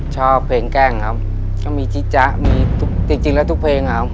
ชอบเพลงแกล้งครับมีจิ๊ดจ๊ะจริงแล้วทุกเพลงครับ